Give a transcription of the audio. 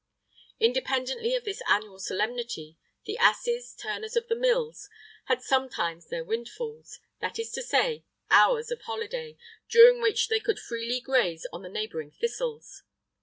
[III 26] Independently of this annual solemnity, the asses, turners of the mills, had sometimes their windfalls, that is to say, hours of holiday, during which they could freely graze on the neighbouring thistles.